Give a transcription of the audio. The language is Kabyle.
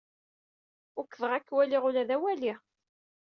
Ukḍeɣ ad k-waliɣ ula d awali.